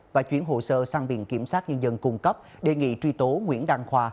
và chuyển hồ sơ sang biển kiểm soát nhân dân cung cấp đề nghị truy tố nguyễn đăng khoa